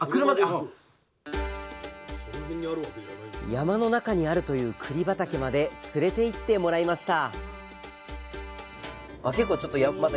山の中にあるというくり畑まで連れて行ってもらいました